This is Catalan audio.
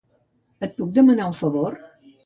Et puc demanar un favor?